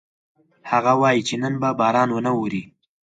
هغه وایي چې نن به باران ونه اوري